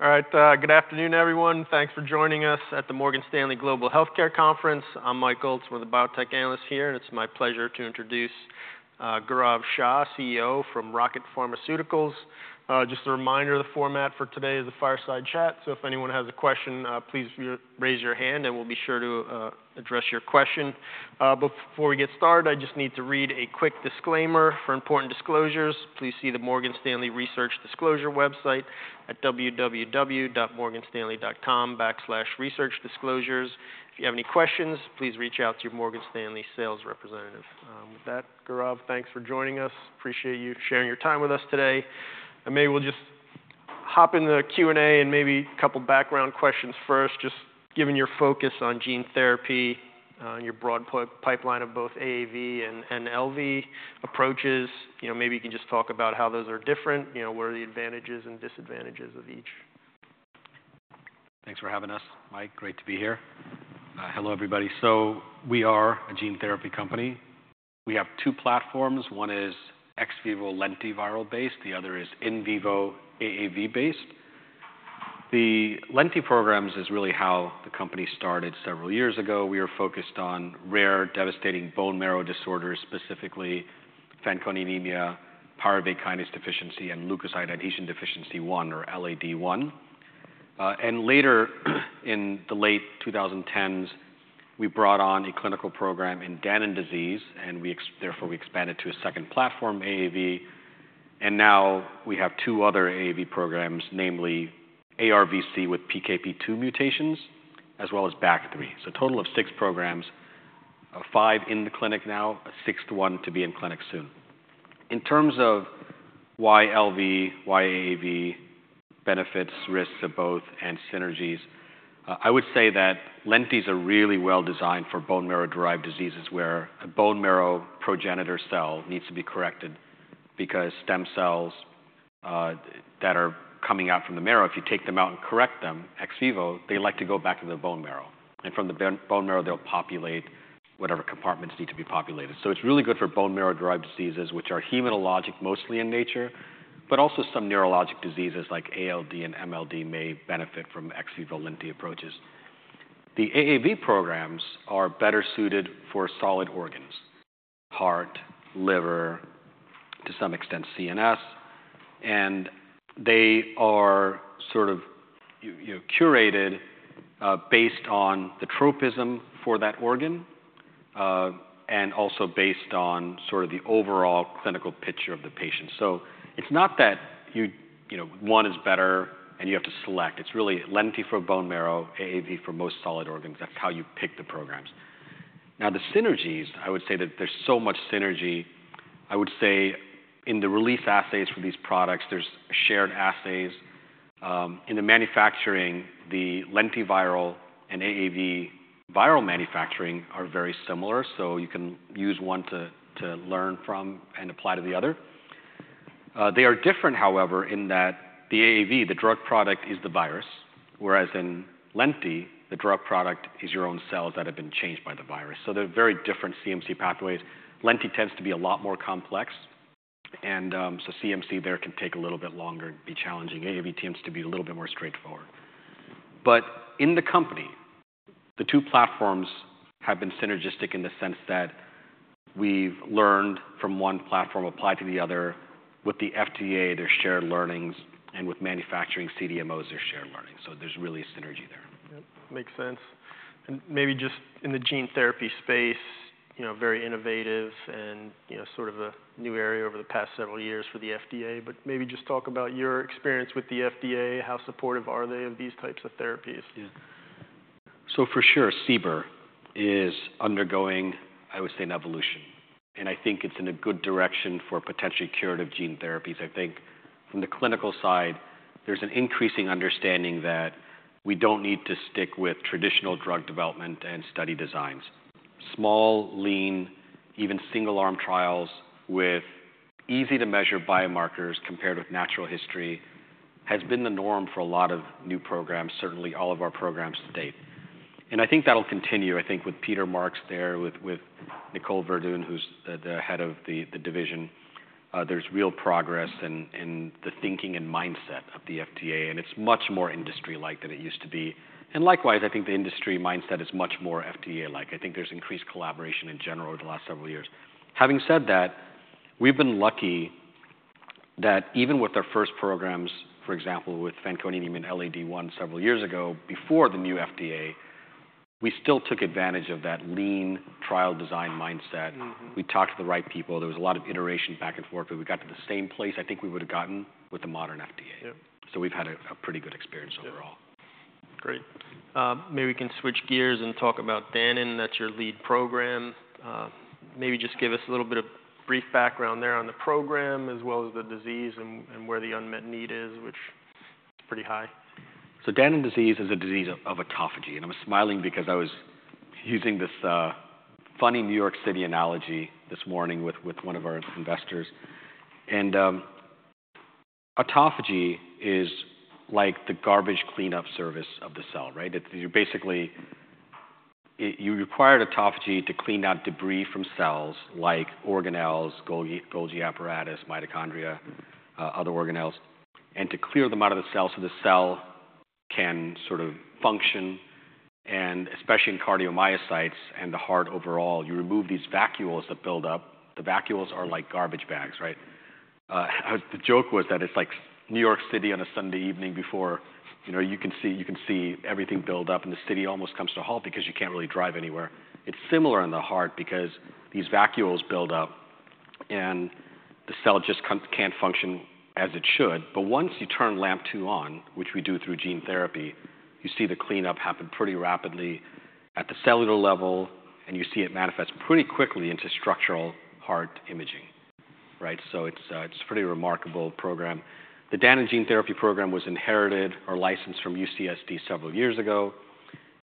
All right, good afternoon, everyone. Thanks for joining us at the Morgan Stanley Global Healthcare Conference. I'm Mike Ulz, one of the biotech analysts here, and it's my pleasure to introduce Gaurav Shah, CEO from Rocket Pharmaceuticals. Just a reminder, the format for today is a fireside chat, so if anyone has a question, please raise your hand, and we'll be sure to address your question. Before we get started, I just need to read a quick disclaimer. For important disclosures, please see the Morgan Stanley Research Disclosure website at www.morganstanley.com/researchdisclosures. If you have any questions, please reach out to your Morgan Stanley sales representative. With that, Gaurav, thanks for joining us. Appreciate you sharing your time with us today. Maybe we'll just hop in the Q&A and maybe a couple background questions first, just given your focus on gene therapy and your broad pipeline of both AAV and LV approaches. You know, maybe you can just talk about how those are different, you know. What are the advantages and disadvantages of each? Thanks for having us, Mike. Great to be here. Hello, everybody. We are a gene therapy company. We have two platforms. One is ex-vivo lentiviral based, the other is in vivo AAV based. The lenti programs is really how the company started several years ago. We were focused on rare, devastating bone marrow disorders, specifically Fanconi anemia, pyruvate kinase deficiency, and leukocyte adhesion deficiency one, or LAD1. And later, in the late 2010s, we brought on a clinical program in Danon disease, and therefore, we expanded to a second platform, AAV. Now we have two other AAV programs, namely ARVC with PKP2 mutations, as well as BAG3. A total of six programs, five in the clinic now, a sixth one to be in clinic soon. In terms of why LV, why AAV, benefits, risks of both, and synergies, I would say that lentis are really well designed for bone marrow-derived diseases, where a bone marrow progenitor cell needs to be corrected because stem cells, that are coming out from the marrow, if you take them out and correct them, ex vivo, they like to go back to the bone marrow, and from the bone marrow, they'll populate whatever compartments need to be populated. So it's really good for bone marrow-derived diseases, which are hematologic mostly in nature, but also some neurologic diseases like ALD and MLD may benefit from ex vivo lenti approaches. The AAV programs are better suited for solid organs: heart, liver, to some extent CNS, and they are sort of you know, curated, based on the tropism for that organ, and also based on sort of the overall clinical picture of the patient. So it's not that you you know, one is better and you have to select. It's really lenti for bone marrow, AAV for most solid organs. That's how you pick the programs. Now, the synergies, I would say that there's so much synergy. I would say in the release assays for these products, there's shared assays, in the manufacturing, the lentiviral and AAV viral manufacturing are very similar, so you can use one to learn from and apply to the other. They are different, however, in that the AAV, the drug product, is the virus, whereas in lenti, the drug product is your own cells that have been changed by the virus, so they're very different CMC pathways. Lenti tends to be a lot more complex, and so CMC there can take a little bit longer and be challenging. AAV tends to be a little bit more straightforward. But in the company, the two platforms have been synergistic in the sense that we've learned from one platform applied to the other. With the FDA, there's shared learnings, and with manufacturing CDMOs, there's shared learnings, so there's really a synergy there. Yep, makes sense. And maybe just in the gene therapy space, you know, very innovative and, you know, sort of a new area over the past several years for the FDA, but maybe just talk about your experience with the FDA. How supportive are they of these types of therapies? Yeah. So for sure, CBER is undergoing, I would say, an evolution, and I think it's in a good direction for potentially curative gene therapies. I think from the clinical side, there's an increasing understanding that we don't need to stick with traditional drug development and study designs. Small, lean, even single-arm trials with easy-to-measure biomarkers compared with natural history has been the norm for a lot of new programs, certainly all of our programs to date. And I think that'll continue. I think with Peter Marks there, with Nicole Verdun, who's the head of the division, there's real progress in the thinking and mindset of the FDA, and it's much more industry-like than it used to be. And likewise, I think the industry mindset is much more FDA-like. I think there's increased collaboration in general over the last several years. Having said that, we've been lucky that even with our first programs, for example, with Fanconi anemia and LAD1 several years ago, before the new FDA, we still took advantage of that lean trial design mindset. We talked to the right people. There was a lot of iteration back and forth, but we got to the same place I think we would've gotten with the modern FDA. Yep. So we've had a pretty good experience overall. Great. Maybe we can switch gears and talk about Danon, that's your lead program. Maybe just give us a little bit of brief background there on the program, as well as the disease and where the unmet need is, which is pretty high. Danon disease is a disease of autophagy, and I was smiling because I was using this funny New York City analogy this morning with one of our investors. Autophagy is like the garbage cleanup service of the cell, right? You require the autophagy to clean out debris from cells like organelles, Golgi, Golgi apparatus, mitochondria, other organelles, and to clear them out of the cell, so the cell can sort of function, and especially in cardiomyocytes and the heart overall, you remove these vacuoles that build up. The vacuoles are like garbage bags, right? The joke was that it's like New York City on a Sunday evening before, you know, you can see everything build up, and the city almost comes to a halt because you can't really drive anywhere. It's similar in the heart because these vacuoles build up, and the cell just can't function as it should. But once you turn LAMP2 on, which we do through gene therapy, you see the cleanup happen pretty rapidly at the cellular level, and you see it manifest pretty quickly into structural heart imaging, right? So it's, it's a pretty remarkable program. The Danon gene therapy program was inherited or licensed from UCSD several years ago,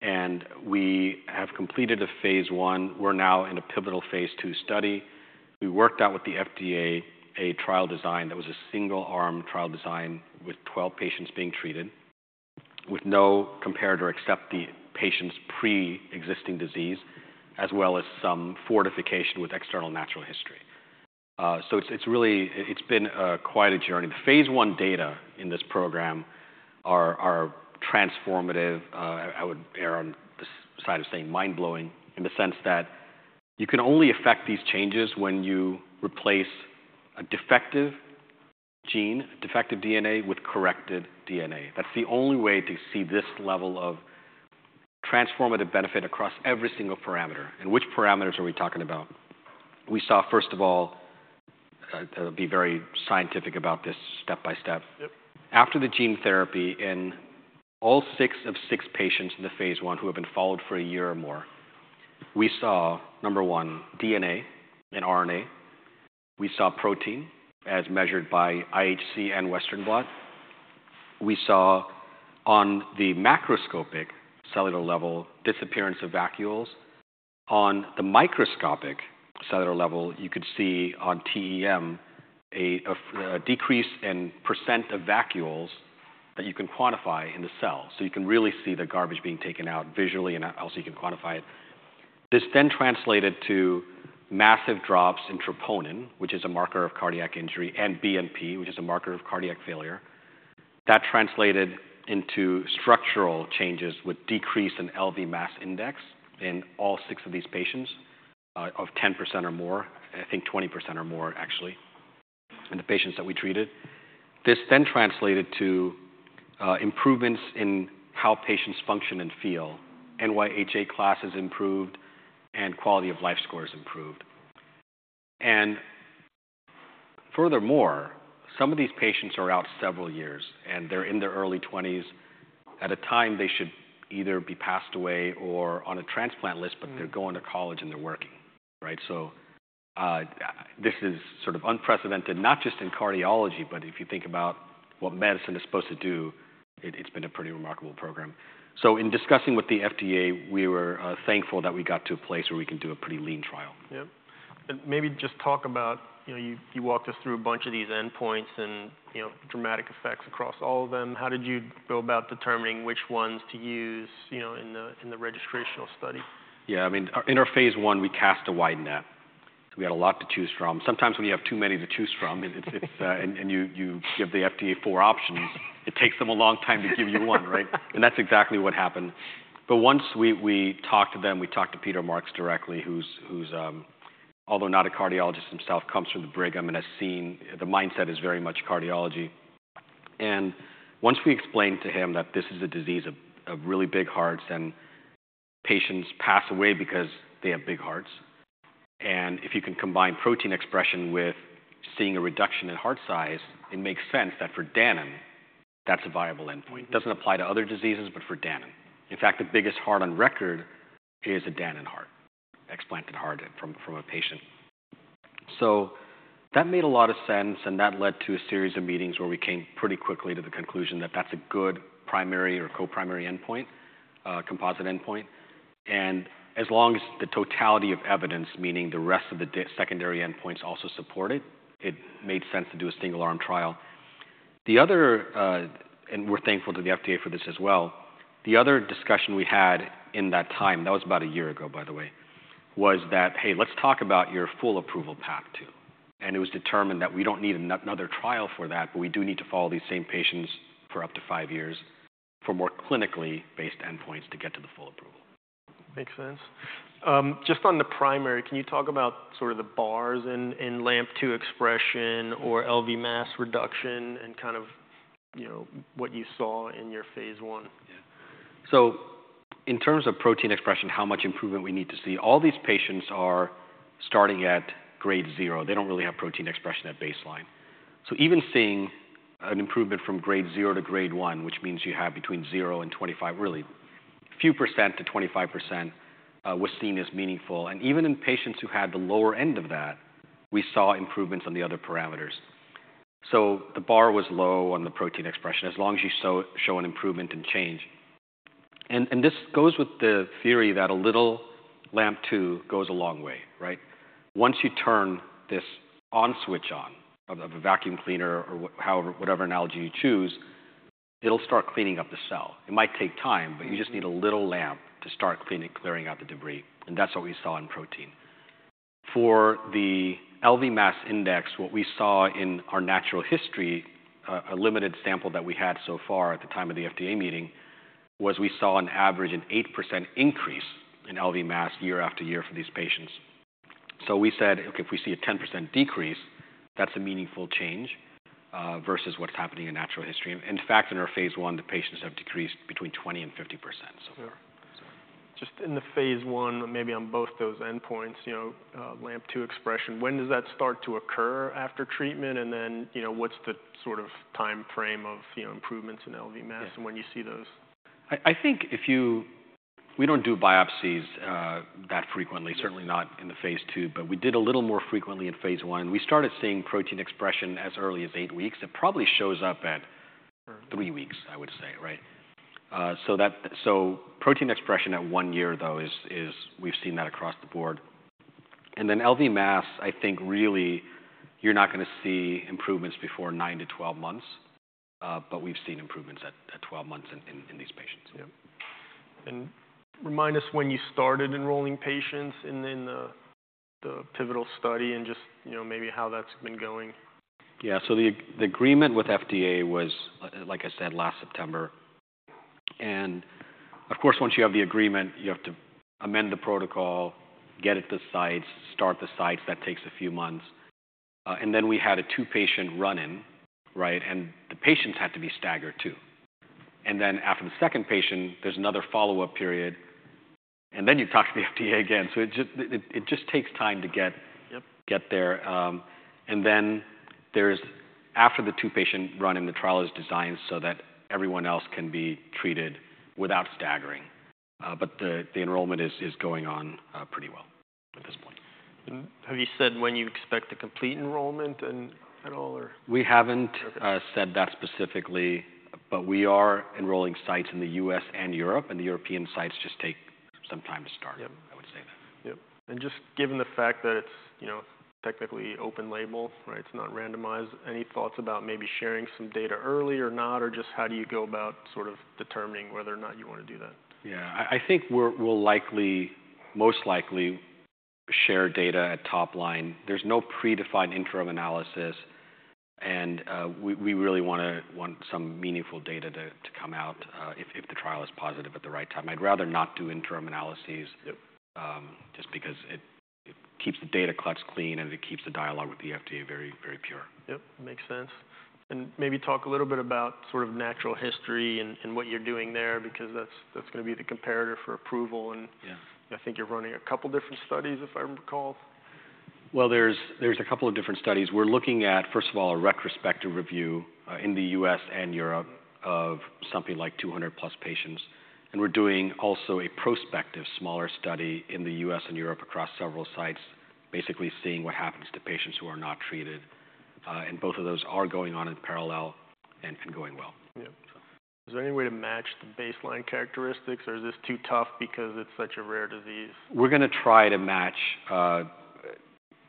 and we have completed a Phase 1. We're now in a pivotal Phase II study. We worked out with the FDA a trial design that was a single-arm trial design with 12 patients being treated, with no comparator except the patient's pre-existing disease, as well as some fortification with external natural history. So it's, it's really... It, it's been quite a journey. The Phase 1 data in this program are transformative. I would err on the side of saying mind-blowing, in the sense that you can only affect these changes when you replace a defective gene, defective DNA, with corrected DNA. That's the only way to see this level of transformative benefit across every single parameter. And which parameters are we talking about? We saw, first of all, to be very scientific about this, step-by-step. Yep. After the gene therapy, in all six of six patients in the Phase 1 who have been followed for a year or more, we saw, number one, DNA and RNA. We saw protein as measured by IHC and Western Blot. We saw on the macroscopic cellular level, disappearance of vacuoles. On the microscopic cellular level, you could see on TEM a decrease in percent of vacuoles that you can quantify in the cell. So you can really see the garbage being taken out visually, and also you can quantify it. This then translated to massive drops in troponin, which is a marker of cardiac injury, and BNP, which is a marker of cardiac failure. That translated into structural changes with decrease in LV mass index in all six of these patients, of 10% or more, I think 20% or more, actually, in the patients that we treated. This then translated to improvements in how patients function and feel, NYHA classes improved, and quality of life scores improved. And furthermore, some of these patients are out several years, and they're in their early twenties at a time they should either be passed away or on a transplant list, but they're going to college, and they're working, right? So this is sort of unprecedented, not just in cardiology, but if you think about what medicine is supposed to do, it, it's been a pretty remarkable program. So in discussing with the FDA, we were thankful that we got to a place where we can do a pretty lean trial. Yep, and maybe just talk about... You know, you walked us through a bunch of these endpoints and, you know, dramatic effects across all of them. How did you go about determining which ones to use, you know, in the registrational study? Yeah, I mean, in our Phase 1, we cast a wide net. We had a lot to choose from. Sometimes when you have too many to choose from, and you give the FDA four options, it takes them a long time to give you one, right? And that's exactly what happened. But once we talked to them, we talked to Peter Marks directly, who's, although not a cardiologist himself, comes from the Brigham and has seen. The mindset is very much cardiology. And once we explained to him that this is a disease of really big hearts and patients pass away because they have big hearts, and if you can combine protein expression with seeing a reduction in heart size, it makes sense that for Danon, that's a viable endpoint. Doesn't apply to other diseases, but for Danon. In fact, the biggest heart on record is a Danon heart, explanted heart from a patient. So that made a lot of sense, and that led to a series of meetings where we came pretty quickly to the conclusion that that's a good primary or co-primary endpoint, composite endpoint. And as long as the totality of evidence, meaning the rest of the secondary endpoints, also support it, it made sense to do a single-arm trial. The other, And we're thankful to the FDA for this as well. The other discussion we had in that time, that was about a year ago, by the way, was that, "Hey, let's talk about your full approval path, too, and it was determined that we don't need another trial for that, but we do need to follow these same patients for up to five years for more clinically based endpoints to get to the full approval. Makes sense. Just on the primary, can you talk about sort of the bars in, in LAMP2 expression or LV mass reduction and kind of, you know, what you saw in yourPhase 1? Yeah. So in terms of protein expression, how much improvement we need to see, all these patients are starting at grade 0. They don't really have protein expression at baseline. So even seeing an improvement from grade 1 to grade 2 which means you have between zero and 25, really few percent to 25%, was seen as meaningful. And even in patients who had the lower end of that, we saw improvements on the other parameters. So the bar was low on the protein expression as long as you show an improvement and change. And this goes with the theory that a little LAMP2 goes a long way, right? Once you turn this on switch on, of a vacuum cleaner or however, whatever analogy you choose, it'll start cleaning up the cell. It might take time, but you just need a little LAMP to start cleaning, clearing out the debris, and that's what we saw in protein. For the LV mass index, what we saw in our natural history, a limited sample that we had so far at the time of the FDA meeting, was we saw on average an 8% increase in LV mass year after year for these patients. So we said, "Okay, if we see a 10% decrease, that's a meaningful change, versus what's happening in natural history." In fact, in our phase one, the patients have decreased between 20% and 50%, so. Just in the phase one, maybe on both those endpoints, you know, LAMP2 expression, when does that start to occur after treatment? And then, you know, what's the sort of timeframe of, you know, improvements in LV mass and when you see those? We don't do biopsies that frequently, certainly not in Phase II, but we did a little more frequently in phase one. We started seeing protein expression as early as eight weeks. It probably shows up at three weeks, I would say, right? So protein expression at one year, though, is we've seen that across the board. Then LV mass, I think really you're not gonna see improvements before nine to twelve months, but we've seen improvements at twelve months in these patients. Yep. And remind us when you started enrolling patients, and then, the pivotal study and just, you know, maybe how that's been going. Yeah. So the agreement with FDA was, like I said, last September. And of course, once you have the agreement, you have to amend the protocol, get it to sites, start the sites. That takes a few months. And then we had a two-patient run-in, right? And the patients had to be staggered, too. And then after the second patient, there's another follow-up period, and then you talk to the FDA again. So it just takes time to get there, and then there's, after the two-patient run-in, the trial is designed so that everyone else can be treated without staggering, but the enrollment is going on pretty well at this point. Have you said when you expect to complete enrollment and at all, or? We haven't said that specifically, but we are enrolling sites in the U.S. and Europe, and the European sites just take some time to start. Yep. I would say that. Yep. And just given the fact that it's, you know, technically open label, right? It's not randomized. Any thoughts about maybe sharing some data early or not? Or just how do you go about sort of determining whether or not you wanna do that? Yeah. I think we'll likely, most likely share data at top line. There's no predefined interim analysis, and we really want some meaningful data to come out if the trial is positive at the right time. I'd rather not do interim analyses just because it, it keeps the data cuts clean, and it keeps the dialogue with the FDA very, very pure. Yep, makes sense. And maybe talk a little bit about sort of natural history and, and what you're doing there, because that's, that's gonna be the comparator for approval, and-I think you're running a couple different studies, if I recall. There's a couple of different studies. We're looking at, first of all, a retrospective review in the U.S. and Europe of something like two hundred plus patients, and we're doing also a prospective smaller study in the U.S. and Europe across several sites, basically seeing what happens to patients who are not treated. Both of those are going on in parallel and going well. Yep. So. Is there any way to match the baseline characteristics, or is this too tough because it's such a rare disease? We're gonna try to match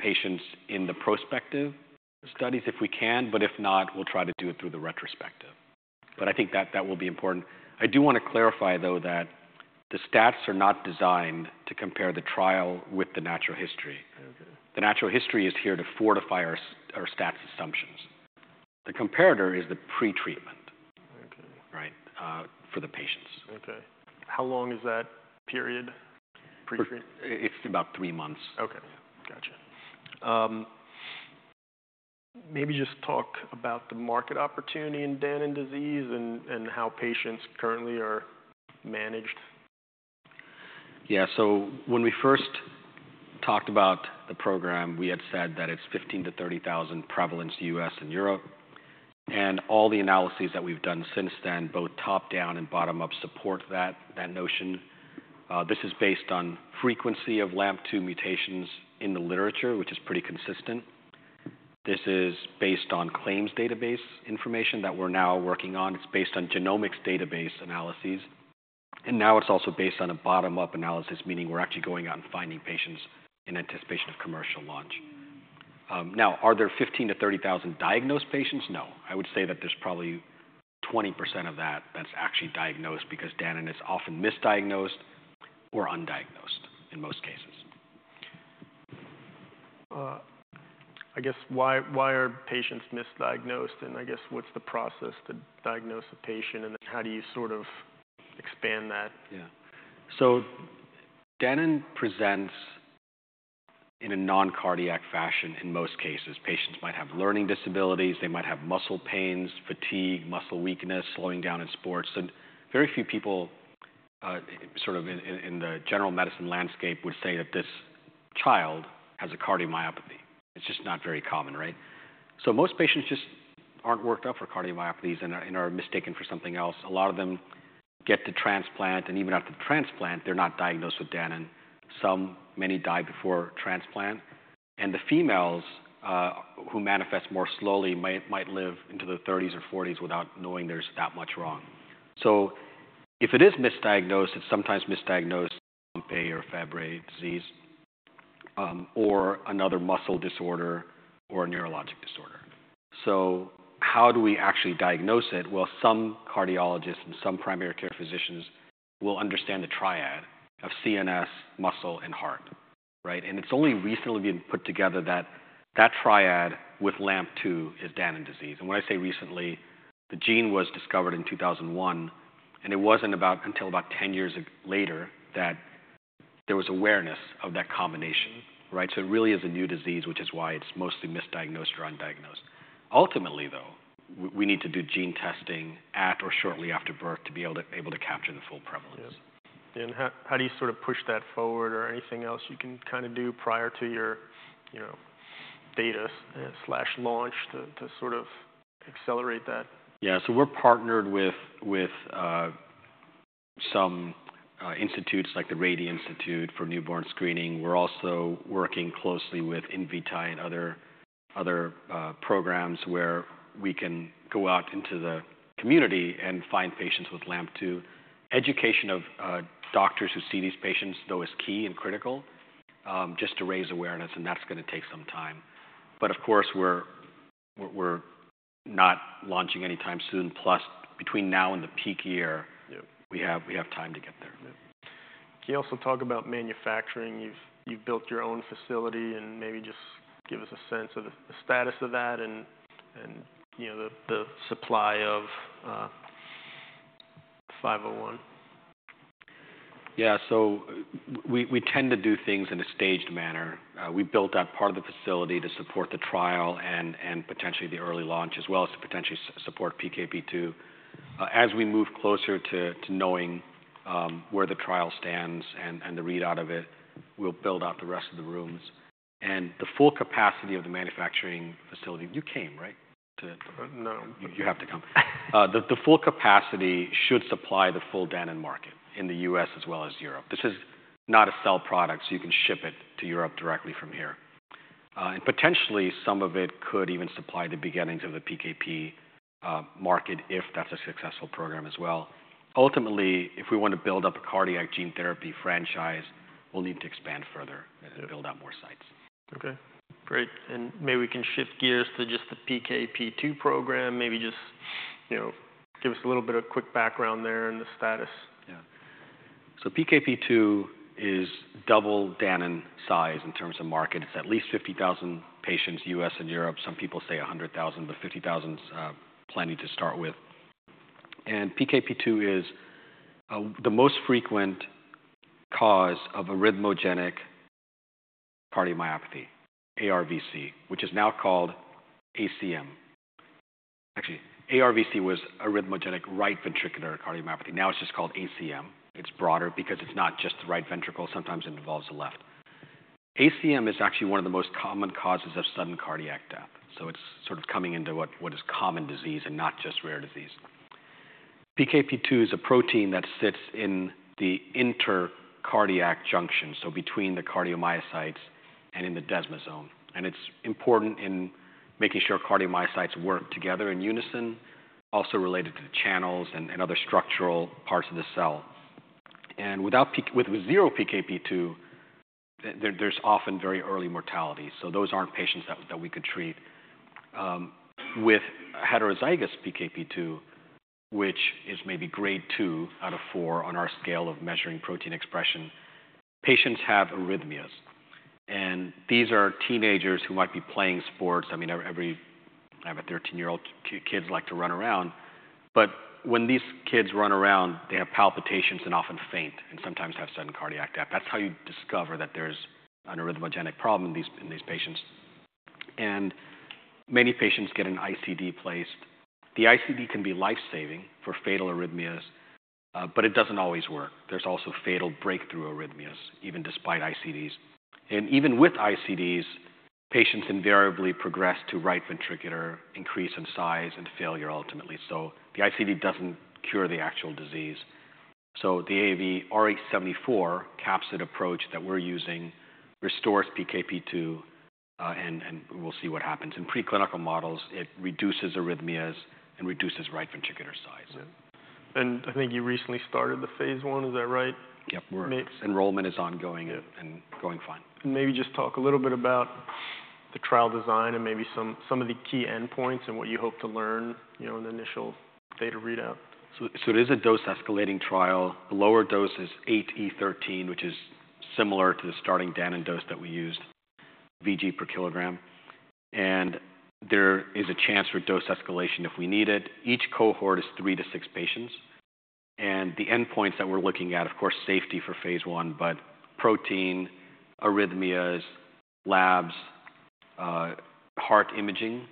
patients in the prospective studies if we can, but if not, we'll try to do it through the retrospective, but I think that will be important. I do wanna clarify, though, that the stats are not designed to compare the trial with the natural history. Okay. The natural history is here to fortify our stats assumptions. The comparator is the pretreatment. Okay. Right, for the patients. Okay. How long is that period? It's about three months. Okay. Gotcha. Maybe just talk about the market opportunity in Danon disease and how patients currently are managed. Yeah, so when we first talked about the program, we had said that it's 15,000-30,000 prevalence U.S. and Europe, and all the analyses that we've done since then, both top-down and bottom-up, support that notion. This is based on frequency of LAMP2 mutations in the literature, which is pretty consistent. This is based on claims database information that we're now working on. It's based on genomics database analyses, and now it's also based on a bottom-up analysis, meaning we're actually going out and finding patients in anticipation of commercial launch. Now, are there 15,000-30,000 diagnosed patients? No. I would say that there's probably 20% of that, that's actually diagnosed because Danon is often misdiagnosed or undiagnosed in most cases. I guess why, why are patients misdiagnosed? And I guess, what's the process to diagnose a patient, and then how do you sort of expand that? Yeah. So Danon presents in a non-cardiac fashion in most cases. Patients might have learning disabilities. They might have muscle pains, fatigue, muscle weakness, slowing down in sports, and very few people sort of in the general medicine landscape would say that this child has a cardiomyopathy. It's just not very common, right? So most patients just aren't worked up for cardiomyopathies and are mistaken for something else. A lot of them get the transplant, and even after the transplant, they're not diagnosed with Danon. Some, many die before transplant, and the females who manifest more slowly might live into their thirties or forties without knowing there's that much wrong. So if it is misdiagnosed, it's sometimes misdiagnosed as Pompe or Fabry disease or another muscle disorder or a neurologic disorder. So how do we actually diagnose it? Some cardiologists and some primary care physicians will understand the triad of CNS, muscle, and heart, right? And it's only recently been put together that that triad with LAMP2 is Danon disease. And when I say recently, the gene was discovered in 2001, and it wasn't until about 10 years later that there was awareness of that combination, right? So it really is a new disease, which is why it's mostly misdiagnosed or undiagnosed. Ultimately, though, we need to do gene testing at or shortly after birth to be able to capture the full prevalence. Yeah. And how do you sort of push that forward or anything else you can kinda do prior to your, you know, data slash launch to sort of accelerate that? Yeah. So we're partnered with some institutes like the Rady Institute for Newborn Screening. We're also working closely with Invitae and other programs where we can go out into the community and find patients with LAMP2. Education of doctors who see these patients, though, is key and critical, just to raise awareness, and that's gonna take some time. But of course, we're not launching anytime soon, plus between now and the peak year we have time to get there. Yeah. Can you also talk about manufacturing? You've built your own facility, and maybe just give us a sense of the status of that and, you know, the supply of 501. Yeah, so we tend to do things in a staged manner. We built out part of the facility to support the trial and potentially the early launch, as well as to potentially support PKP2. As we move closer to knowing where the trial stands and the readout of it, we'll build out the rest of the rooms. The full capacity of the manufacturing facility... You came, right to come. The full capacity should supply the full Danon market in the U.S. as well as Europe. This is not a cell product, so you can ship it to Europe directly from here, and potentially, some of it could even supply the beginnings of the PKP market if that's a successful program as well. Ultimately, if we want to build up a cardiac gene therapy franchise, we'll need to expand further and build out more sites. Okay, great. Maybe we can shift gears to just the PKP2 program. Maybe just, you know, give us a little bit of quick background there and the status. Yeah. So PKP2 is double Danon in size in terms of market. It's at least 50,000 patients, U.S. and Europe. Some people say 100,000, but 50,000's plenty to start with. And PKP2 is the most frequent cause of arrhythmogenic cardiomyopathy, ARVC, which is now called ACM. Actually, ARVC was arrhythmogenic right ventricular cardiomyopathy. Now it's just called ACM. It's broader because it's not just the right ventricle, sometimes it involves the left. ACM is actually one of the most common causes of sudden cardiac death, so it's sort of coming into what is common disease and not just rare disease. PKP2 is a protein that sits in the intercalated junction, so between the cardiomyocytes and in the desmosome. And it's important in making sure cardiomyocytes work together in unison, also related to the channels and other structural parts of the cell. With zero PKP2, there's often very early mortality, so those aren't patients that we could treat. With heterozygous PKP2, which is maybe grade 2 out of four on our scale of measuring protein expression, patients have arrhythmias, and these are teenagers who might be playing sports. I mean, I have a 13-year-old, kids like to run around, but when these kids run around, they have palpitations and often faint, and sometimes have sudden cardiac death. That's how you discover that there's an arrhythmogenic problem in these patients. Many patients get an ICD placed. The ICD can be life-saving for fatal arrhythmias, but it doesn't always work. There's also fatal breakthrough arrhythmias, even despite ICDs. Even with ICDs, patients invariably progress to right ventricular increase in size, and failure ultimately. So the ICD doesn't cure the actual disease. So the AAVrh74 capsid approach that we're using restores PKP2, and we'll see what happens. In preclinical models, it reduces arrhythmias and reduces right ventricular size. Yeah. And I think you recently started the phase one, is that right? Yep. Enrollment is ongoing, and going fine. Maybe just talk a little bit about the trial design and maybe some of the key endpoints and what you hope to learn, you know, in the initial data readout. It is a dose-escalating trial. The lower dose is 8E13 which is similar to the starting Danon dose that we used, vg per kilogram, and there is a chance for dose escalation if we need it. Each cohort is three to six patients, and the endpoints that we're looking at, of course, safety for phase one, but protein, arrhythmias, labs, heart imaging,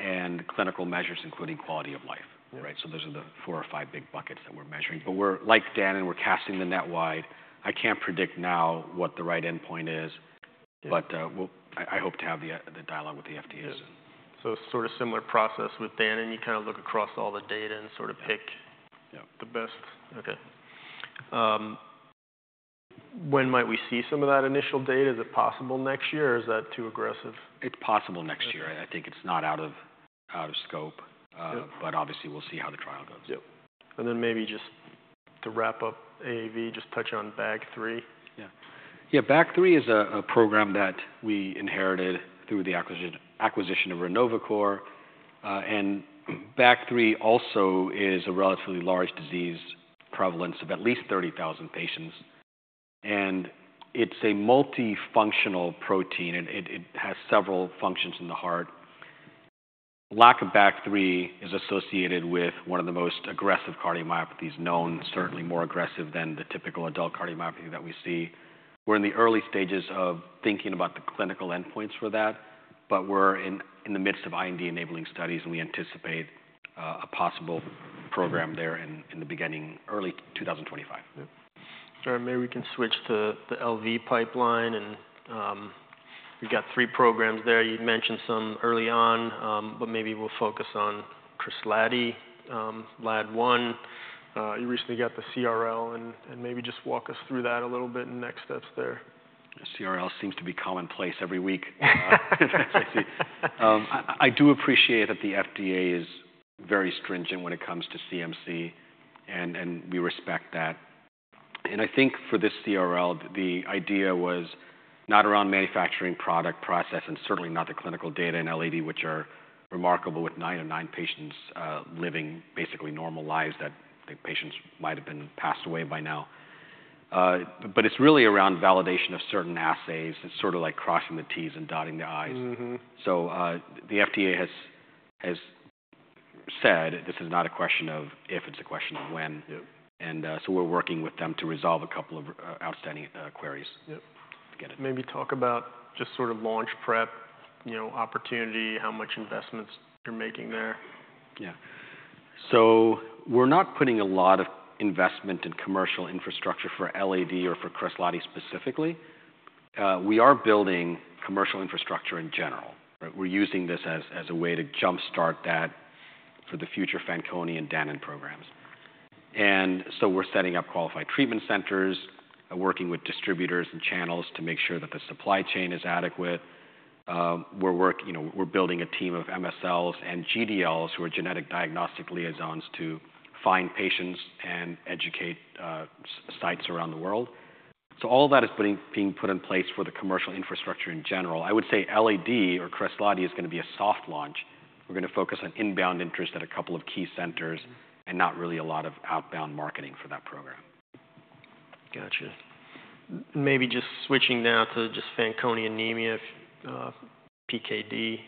and clinical measures, including quality of life. Yeah. Right? So those are the four or five big buckets that we're measuring. But we're like Danon, we're casting the net wide. I can't predict now what the right endpoint is but, I hope to have the dialogue with the FDA. Yeah. So sort of similar process with Danon, and you kinda look across all the data and sort of pick the best. Okay. When might we see some of that initial data? Is it possible next year, or is that too aggressive? It's possible next year. Okay. I think it's not out of scope, but obviously, we'll see how the trial goes. Yep. And then maybe to wrap up AAV, just touch on BAG3. Yeah. Yeah, BAG3 is a program that we inherited through the acquisition of Renovacor. And BAG3 also is a relatively large disease prevalence of at least 30,000 patients, and it's a multifunctional protein, and it has several functions in the heart. Lack of BAG3 is associated with one of the most aggressive cardiomyopathies known, certainly more aggressive than the typical adult cardiomyopathy that we see. We're in the early stages of thinking about the clinical endpoints for that, but we're in the midst of IND-enabling studies, and we anticipate a possible program there in the beginning, early 2025. Yeah. All right, maybe we can switch to the LV pipeline, and we've got three programs there. You'd mentioned some early on, but maybe we'll focus on Kresladi, LAD1. You recently got the CRL, and maybe just walk us through that a little bit, and next steps there. CRL seems to be commonplace every week. I do appreciate that the FDA is very stringent when it comes to CMC, and we respect that. I think for this CRL, the idea was not around manufacturing product process and certainly not the clinical data in LAD, which are remarkable, with nine of nine patients living basically normal lives that the patients might have been passed away by now. But it's really around validation of certain assays. It's sort of like crossing the T's and dotting the I's. So, the FDA has said this is not a question of if, it's a question of when. Yep. So we're working with them to resolve a couple of outstanding queries. Yep. Get it. Maybe talk about just sort of launch prep, you know, opportunity, how much investments you're making there? Yeah. So we're not putting a lot of investment in commercial infrastructure for LAD or for Kresladi specifically. We are building commercial infrastructure in general. We're using this as a way to jumpstart that for the future Fanconi and Danon programs. And so we're setting up qualified treatment centers, working with distributors and channels to make sure that the supply chain is adequate. You know, we're building a team of MSLs and GDLs, who are genetic diagnostic liaisons, to find patients and educate sites around the world. So all that is being put in place for the commercial infrastructure in general. I would say LAD or Kresladi is gonna be a soft launch. We're gonna focus on inbound interest at a couple of key centers and not really a lot of outbound marketing for that program. Gotcha. Maybe just switching now to just Fanconi anemia, PKD.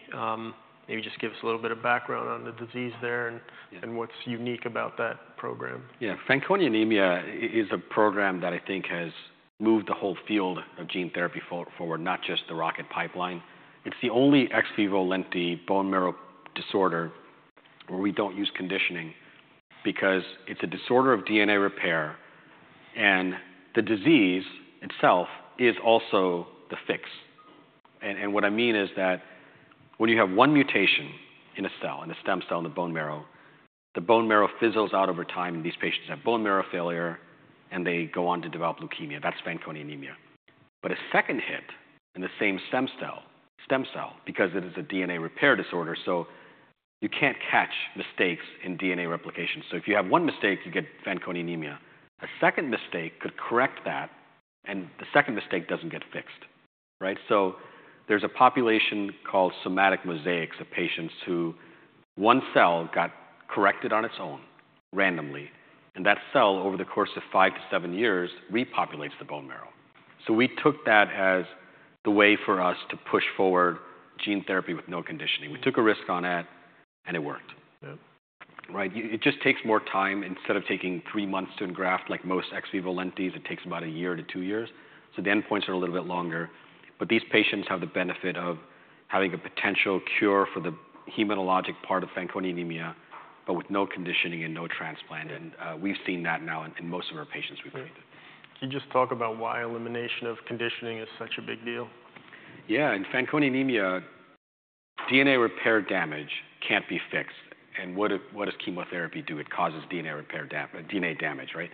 Maybe just give us a little bit of background on the disease there and what's unique about that program. Yeah, Fanconi anemia is a program that I think has moved the whole field of gene therapy forward, not just the Rocket pipeline. It's the only ex vivo lentiviral bone marrow disorder where we don't use conditioning, because it's a disorder of DNA repair, and the disease itself is also the fix. And what I mean is that when you have one mutation in a cell, in a stem cell in the bone marrow, the bone marrow fizzles out over time, and these patients have bone marrow failure, and they go on to develop leukemia. That's Fanconi anemia. But a second hit in the same stem cell, because it is a DNA repair disorder, so you can't catch mistakes in DNA replication. So if you have one mistake, you get Fanconi anemia. A second mistake could correct that, and the second mistake doesn't get fixed, right? There's a population called somatic mosaics of patients who one cell got corrected on its own randomly, and that cell, over the course of five to seven years, repopulates the bone marrow. We took that as the way for us to push forward gene therapy with no conditioning. We took a risk on it, and it worked. Yeah. Right? It just takes more time. Instead of taking three months to engraft, like most ex vivo lentiviral, it takes about a year to two years, so the endpoints are a little bit longer. But these patients have the benefit of having a potential cure for the hematologic part of Fanconi anemia, but with no conditioning and no transplant. Yeah. We've seen that now in most of our patients we've treated. Can you just talk about why elimination of conditioning is such a big deal? Yeah, in Fanconi anemia, DNA repair damage can't be fixed, and what does chemotherapy do? It causes DNA damage, right,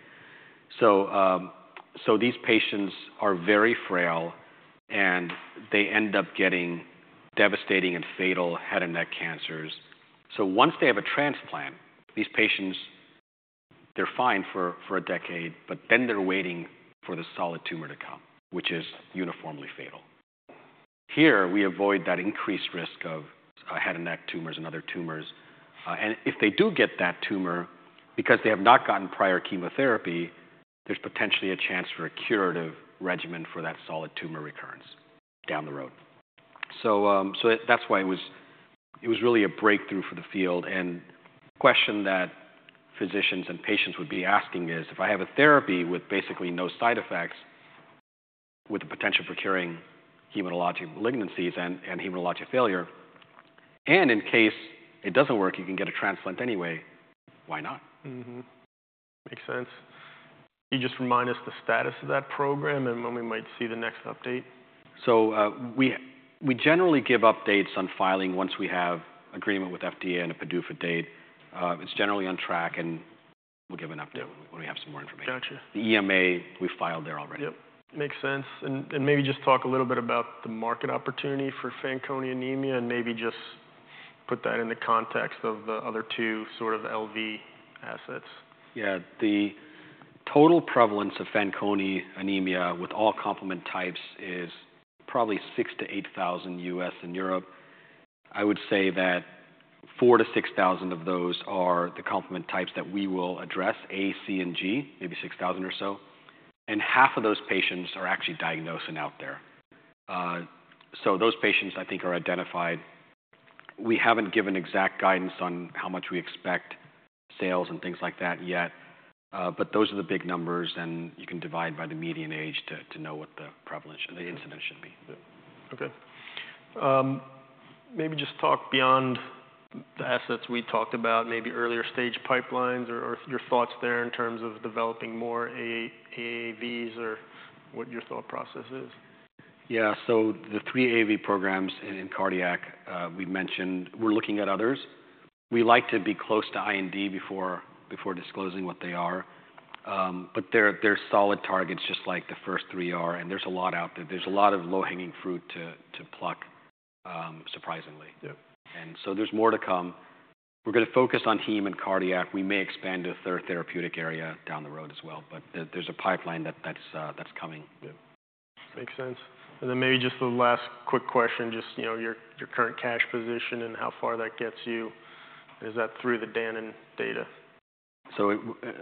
so these patients are very frail, and they end up getting devastating and fatal head and neck cancers, so once they have a transplant, these patients, they're fine for a decade, but then they're waiting for the solid tumor to come, which is uniformly fatal. Here, we avoid that increased risk of head and neck tumors and other tumors, and if they do get that tumor, because they have not gotten prior chemotherapy, there's potentially a chance for a curative regimen for that solid tumor recurrence down the road, so that's why it was. It was really a breakthrough for the field. The question that physicians and patients would be asking is, "If I have a therapy with basically no side effects, with the potential for curing hematologic malignancies and, and hematologic failure, and in case it doesn't work, you can get a transplant anyway, why not? Makes sense. Can you just remind us the status of that program and when we might see the next update? We generally give updates on filing once we have agreement with FDA and a PDUFA date. It's generally on track, and we'll give an update-when we have some more information. Gotcha. The EMA, we filed there already. Yep, makes sense. And maybe just talk a little bit about the market opportunity for Fanconi anemia, and maybe put that in the context of the other two sort of LV assets? Yeah. The total prevalence of Fanconi anemia with all complement types is probably 6,000-8,000 U.S. and Europe. I would say that 4,000-8,000 of those are the complement types that we will address, A, C, and G, maybe 6,000 or so. And half of those patients are actually diagnosed and out there. So those patients, I think, are identified. We haven't given exact guidance on how much we expect sales and things like that yet, but those are the big numbers, and you can divide by the median age to know what the prevalence and the incidence should be. Yeah. Okay. Maybe just talk beyond the assets we talked about, maybe earlier stage pipelines or your thoughts there in terms of developing more AAVs, or what your thought process is. Yeah, so the three AAV programs in cardiac, we mentioned we're looking at others. We like to be close to IND before disclosing what they are. But they're solid targets, just like the first three are, and there's a lot out there. There's a lot of low-hanging fruit to pluck, surprisingly. Yeah. And so there's more to come. We're gonna focus on heme and cardiac. We may expand a third therapeutic area down the road as well, but there's a pipeline that's coming. Yeah. Makes sense. And then maybe just the last quick question, just, you know, your current cash position and how far that gets you. Is that through the Danon data?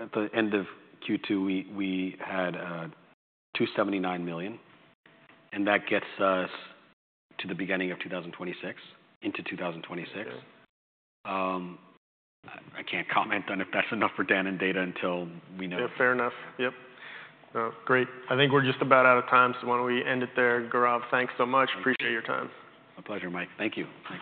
At the end of Q2, we had $279 million, and that gets us to the beginning of 2026. Yeah. I can't comment on if that's enough for Danon data until we know. Yeah, fair enough. Yep. Great. I think we're just about out of time, so why don't we end it there? Gaurav, thanks so much. Thank you. Appreciate your time. My pleasure, Mike. Thank you. Thanks.